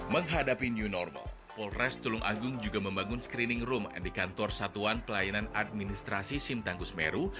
menghadapi new normal polres tulung agung juga membangun screening room di kantor satuan pelayanan administrasi simtangkus meru